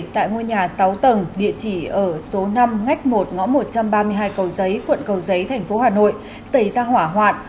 tại ngôi nhà sáu tầng địa chỉ ở số năm ngách một ngõ một trăm ba mươi hai cầu giấy quận cầu giấy thành phố hà nội xảy ra hỏa hoạn